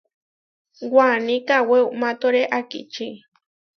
Waní kawé umatóre akiči.